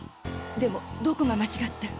でもどこが間違って。